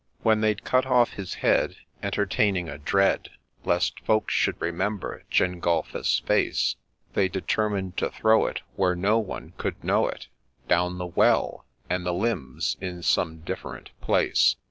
When they'd cut off his head, entertaining a dread Lest folks should remember Gengulphus's face, They determined to throw it where no one could know it, Down the well, — and the limbs in some different place.